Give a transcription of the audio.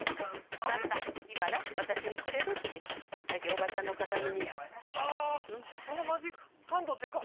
もらった今な私にくれるっちだけおばちゃんの形見ああーそのマジックハンドっていうか